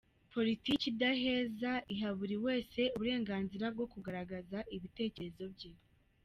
"Politiki idaheza iha buri wese uburenganzira bwo kugaragaza ibitekerezo bye .